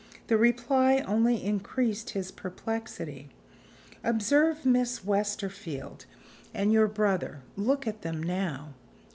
The reply only increased his perplexity. "Observe Miss Westerfield and your brother. Look at them now."